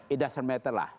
it doesn't matter lah